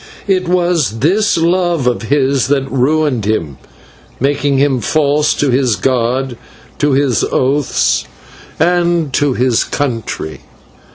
It was this love of his that ruined him, making him false to his god, to his oaths, and to his country.